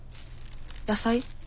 野菜？